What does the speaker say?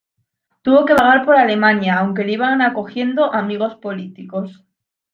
Tuvo que vagar por Alemania, aunque le iban acogiendo amigos políticos.